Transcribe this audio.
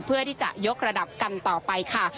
เพื่อที่จะยกระดับกันต่อไปค่ะ